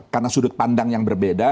karena sudut pandang yang berbeda